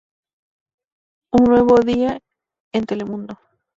Un nuevo día en Telemundo.